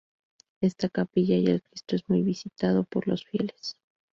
Esta capilla y el Cristo es muy visitado por los fieles.